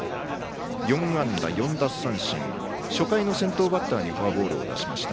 ４安打４奪三振初回の先頭バッターにフォアボールを出しました。